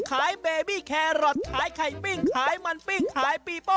เบบี้แครอทขายไข่ปิ้งขายมันปิ้งขายปีโป้